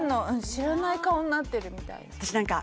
知らない顔になってるみたい私何か